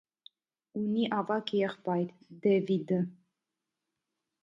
Ունի ավագ եղբայր՝ Դևիդը։